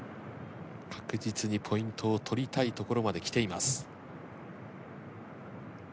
確実にポイントを取りたいところまで来ています。